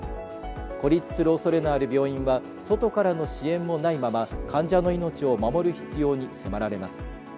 孤立するおそれのある病院は外からの支援もないまま患者の命を守る必要に迫られます。